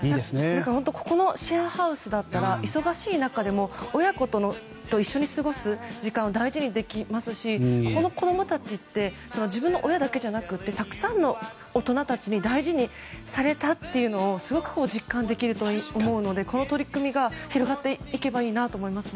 このシェアハウスだったら忙しい中でも親子と一緒に過ごす時間を大事にできますしここの子供たちって自分の親だけじゃなくてたくさんの大人たちに大事にされたというのをすごく実感できると思うのでこの取り組みが広がっていけばいいなと思いますね。